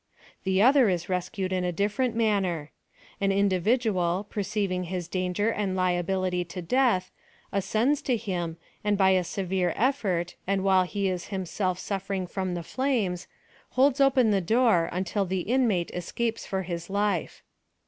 The other is rescued in a different manner. An individual, perceiving .lis danger and liability to death, ascends PLAN OF SALVATION. I8i« to him, and oy a severe effort, and while he is him BelC suffering from the flames, holds open the dooi until the inmate escapes for his life.